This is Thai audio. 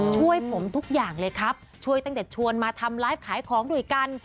ช่วยผมทุกอย่างเลยครับช่วยตั้งแต่ชวนมาทำไลฟ์ขายของด้วยกัน